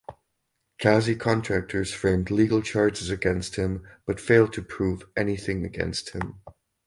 Kazi contractors framed legal charges against him but failed to prove anything against him.